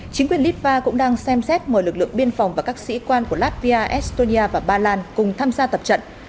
chính quyền litva cũng đang xem xét mời lực lượng biên phòng và các sĩ quan của latvia estonia và ba lan cùng tham gia tập trận